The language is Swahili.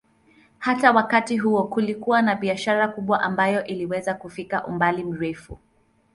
Hata wakati huo kulikuwa na biashara kubwa ambayo iliweza kufikia umbali mrefu.